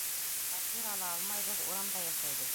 Фатир ала алмайбыҙ, урамда йәшәйбеҙ.